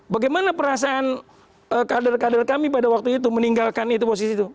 bagaimana perasaan kader kader kami pada waktu itu meninggalkan itu posisi itu